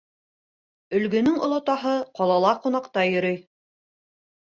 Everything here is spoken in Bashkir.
- Өлгөнөң олатаһы ҡалала ҡунаҡта йөрөй.